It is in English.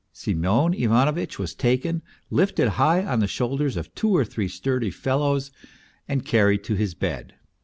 " Semyon Ivanovitch was taken, lifted high on the shoulders of two or three sturdy fellows, and carried to his bed.